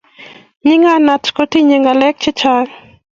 nyikanet kotinye ngalek che Chang